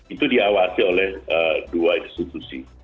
itu diawasi oleh dua institusi